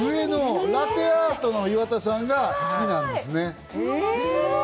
上のラテアートの岩田さんが木なんですね。